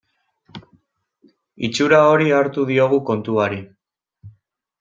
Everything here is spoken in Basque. Itxura hori hartu diogu kontuari.